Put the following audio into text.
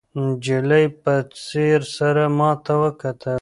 نجلۍ په ځیر سره ماته وکتل.